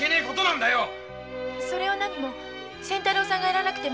何も仙太郎さんがやらなくても。